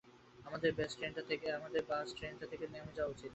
আমাদের ব্যস ট্রেনটা থেকে নেমে যাওয়া উচিত।